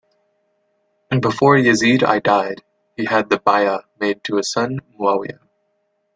Before Yazid I died, he had the "bay'ah" made to his son Muawiya.